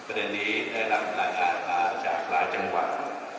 ประเด็นนี้ได้รับรายงานมาจากหลายจังหวัด